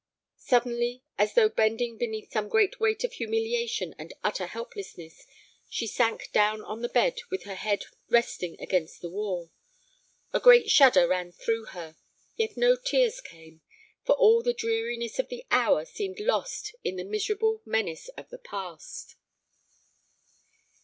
Suddenly, as though bending beneath some great weight of humiliation and utter helplessness, she sank down on the bed with her head resting against the wall. A great shudder ran through her, yet no tears came; for all the dreariness of the hour seemed lost in the miserable menace of the past.